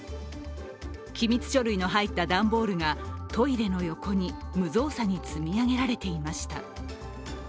機密書類の入った段ボールがトイレの横に無造作に積み上げられていました。